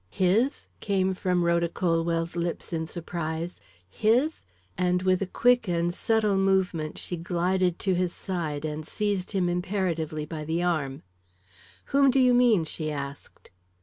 "His?" came from Rhoda Colwell's lips, in surprise. "His?" and with a quick and subtle movement she glided to his side and seized him imperatively by the arm. "Whom do you mean?" she asked.